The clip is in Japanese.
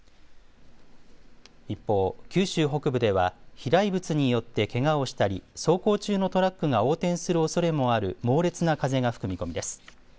一方、九州北部では飛来物によってけがをしたり走行中のトラックが横転するおそれもある猛烈な風が吹く見込みです。